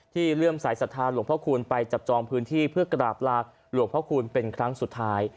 เลื่อมสายศรัทธาหลวงพระคูณไปจับจองพื้นที่เพื่อกราบลากหลวงพ่อคูณเป็นครั้งสุดท้าย